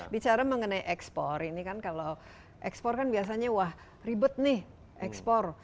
bicara mengenai ekspor ini kan kalau ekspor kan biasanya wah ribet nih ekspor